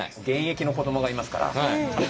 現役の子どもがいますから。